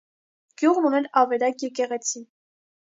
Գյուղն ուներ ավերակ եկեղեցի։